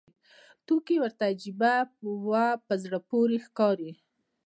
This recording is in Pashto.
توکي ورته عجیبه او په زړه پورې ښکاري